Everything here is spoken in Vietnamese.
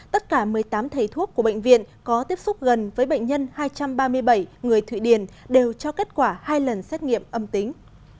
tất cả một mươi tám thầy thuốc của bệnh viện có tiếp xúc gần với bệnh nhân hai trăm ba mươi bảy người thụy điển đều cho kết quả hai lần xét nghiệm âm tính